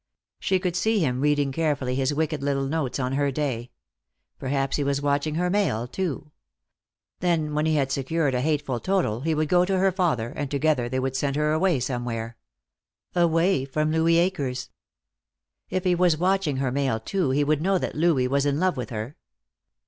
She could see him reading carefully his wicked little notes on her day. Perhaps he was watching her mail, too. Then when he had secured a hateful total he would go to her father, and together they would send her away somewhere. Away from Louis Akers. If he was watching her mail too he would know that Louis was in love with her.